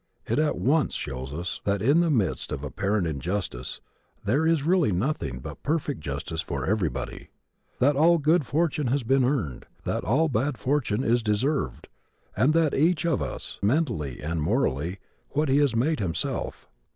It at once shows us that in the midst of apparent injustice there is really nothing but perfect justice for everybody; that all good fortune has been earned; that all bad fortune is deserved, and that each of us is, mentally and morally, what he has made himself.